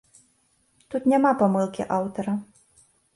Тут няма памылкі аўтара.